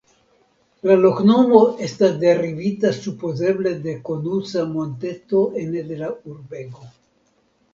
La loknomo estas derivita supozeble de konusa monteto ene de la urbego.